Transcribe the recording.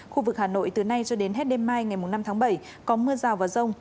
khu vực hà nội từ nay cho đến hết đêm mai ngày năm tháng bảy có mưa rào và rông